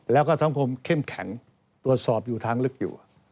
แล้วก็สังคมเข้มแข็งตรวจสอบอยู่ทางลึกอยู่